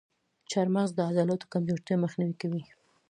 چارمغز د عضلاتو کمزورتیا مخنیوی کوي.